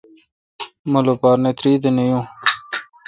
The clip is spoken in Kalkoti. مہ لوپار نہ تہ تیردہ نہ یون۔